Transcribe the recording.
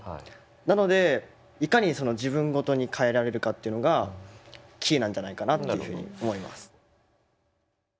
なのでいかに自分ごとに変えられるかっていうのがキーなんじゃないかなっていうふうに思います。